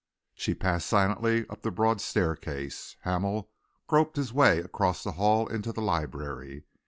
She passed silently up the broad staircase. Hamel groped his way across the hall into the library.